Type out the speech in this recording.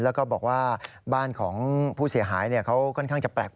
แล้วก็บอกว่าบ้านของผู้เสียหายเขาค่อนข้างจะแปลก